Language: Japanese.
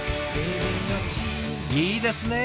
いいですね！